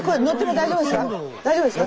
大丈夫ですか？